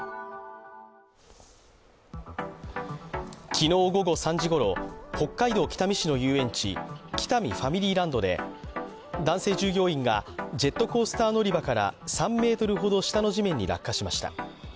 昨日午後３時ごろ、北海道北見市の遊園地きたみファミリーランドで男性従業員がジェットコースター乗り場から３ｍほど下の地面に落下しました。